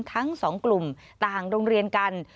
ทั้งสองกลุ่มต่างโรงเรียนกัน